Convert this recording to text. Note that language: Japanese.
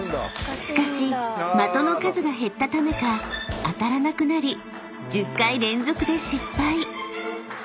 ［しかし的の数が減ったためか当たらなくなり１０回連続で失敗］